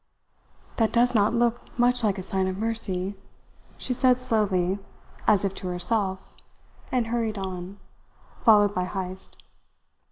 "That does not look much like a sign of mercy," she said slowly, as if to herself, and hurried on, followed by Heyst.